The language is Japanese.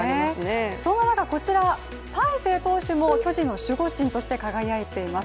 そんな中、こちら大勢投手も巨人の守護神として輝いています。